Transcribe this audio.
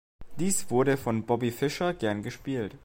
Dies wurde von Bobby Fischer gern gespielt.